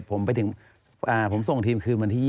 ผมไปถึงผมส่งทีมคืนวันที่๒